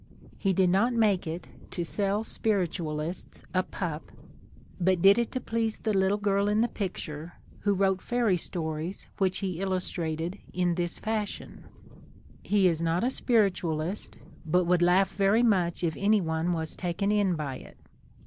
^ He did not make it to sell Spir itualists a ^pup,' but did it to please the 27 THE COMING OF THE FAIRIES little girl in the picture who wrote fairy stories wMch he illustrated in this fashion. He is not a Spiritualist, but would laugh very much if anyone was taken in by it.